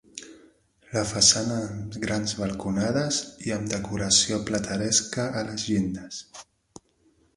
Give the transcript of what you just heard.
La façana amb grans balconades i amb decoració plateresca a les llindes.